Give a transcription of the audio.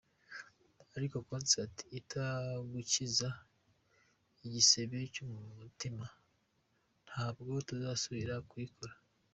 ariko ‘concert’ itagukiza igisebe cyo mu mutima ntabwo tuzasubira kuyikora.